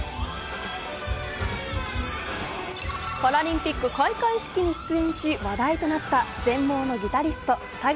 パラリンピック開会式に出演し話題となった全盲のギタリスト田川